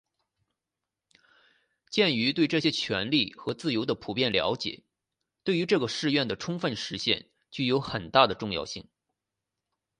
鉴于对这些权利和自由的普遍了解对于这个誓愿的充分实现具有很大的重要性